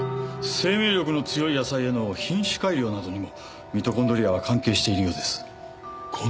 生命力の強い野菜への品種改良などにもミトコンドリアは関係しているようです。